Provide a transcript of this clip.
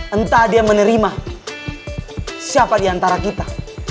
entah dia menerima siapa diantara kita